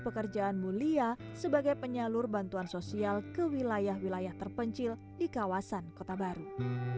pekerjaan mulia sebagai penyalur bantuan sosial ke wilayah wilayah terpencil di kawasan kota baru